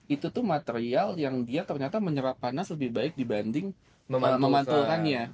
itu tuh material yang dia ternyata menyerap panas lebih baik dibanding memantulkannya